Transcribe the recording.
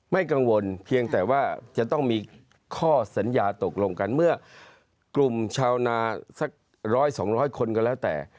ไม่กังวลเพียงแต่ว่าจะต้องมีข้อสัญญาตกลงกันเมื่อกลุ่มชาวนาสัก๑๐๐๒๐๐คนก็แล้วแต่